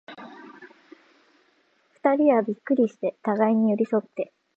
二人はびっくりして、互に寄り添って、